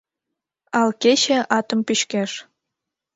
Ал кече атым пӱчкеш